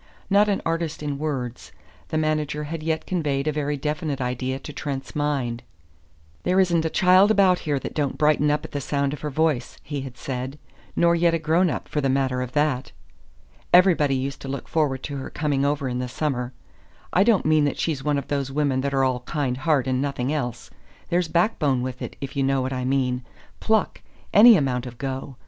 Not an artist in words, the manager had yet conveyed a very definite idea to Trent's mind. "There isn't a child about here that don't brighten up at the sound of her voice," he had said, "nor yet a grown up, for the matter of that. Everybody used to look forward to her coming over in the summer. I don't mean that she's one of those women that are all kind heart and nothing else. There's backbone with it, if you know what I mean pluck any amount of go.